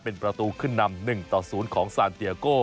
เป็นประตูขึ้นนำ๑ต่อ๐ของซานเตียโก้